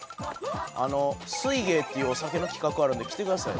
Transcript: あの「酔芸」っていうお酒の企画あるんで来てくださいよ。